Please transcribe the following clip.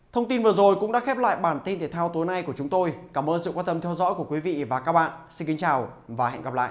thông tin vừa rồi cũng đã khép lại bản tin thể thao tối nay của chúng tôi cảm ơn sự quan tâm theo dõi của quý vị và các bạn xin kính chào và hẹn gặp lại